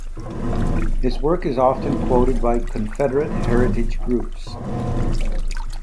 His work is often quoted by Confederate heritage groups.